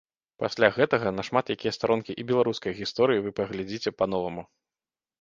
Пасля гэтага на шмат якія старонкі і беларускай гісторыі вы паглядзіце па-новаму.